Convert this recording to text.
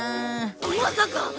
まさか！？